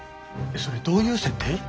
それどういう設定？